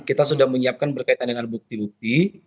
kita sudah menyiapkan berkaitan dengan bukti bukti